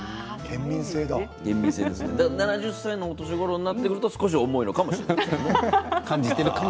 ７０歳のお年ごろになっていると少し重いのかもしれないですね。